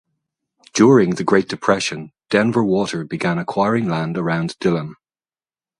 During the Great Depression, Denver Water began acquiring land around Dillon.